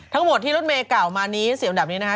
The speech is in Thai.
ทั้งหมดที่รุ่นเมเก่ามานี้๔อันดับนี้นะฮะ